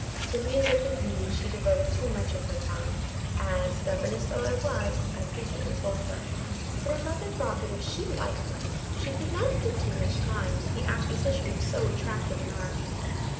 To music, indeed, she devoted too much of her time, as, governess though I was, I frequently told her; but her mother thought that if she liked it, she could not give too much time to the acquisition of so attractive an art.